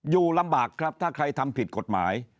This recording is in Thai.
อยู่ลำบากครับถ้าใครทำผิดกฎหมาย